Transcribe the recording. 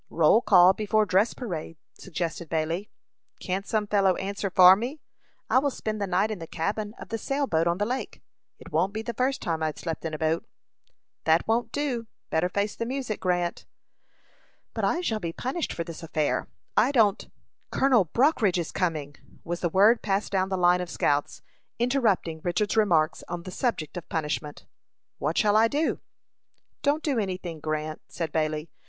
"Roll call before dress parade," suggested Bailey. "Can't some fellow answer for me? I will spend the night in the cabin of the sail boat on the lake. It won't be the first time I've slept in a boat." "That won't do. Better face the music, Grant." "But I shall be punished for this affair. I don't " "Colonel Brockridge is coming!" was the word passed down the line of scouts, interrupting Richard's remarks on the subject of punishment. "What shall I do?" "Don't do any thing, Grant," said Bailey.